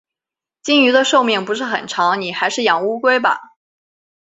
金鱼的寿命不是很长，你还是养乌龟吧。